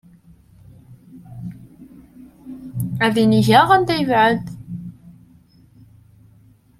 Ad inigeɣ anda yebɛed.